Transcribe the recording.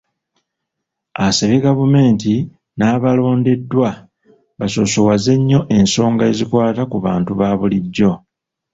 Asabye gavumenti n'abalondeddwa basoosowaze nnyo ensonga ezikwata ku bantu baabulijjo